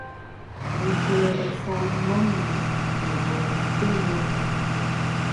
D@Rikolo bɛsali ŋgomnaŋ nɛ boro mepempɔ.